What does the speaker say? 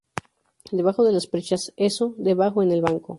debajo de las perchas. eso, debajo en el banco.